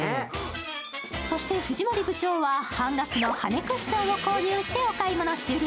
そして藤森部長は半額の羽クッションを購入してお買い物終了。